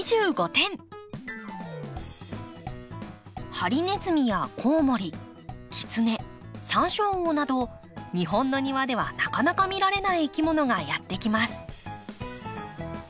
ハリネズミやコウモリキツネサンショウウオなど日本の庭ではなかなか見られないいきものがやって来ます。